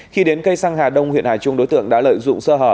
khi đến cây xăng hà đông huyện hà trung đối tượng đã lợi dụng sơ hở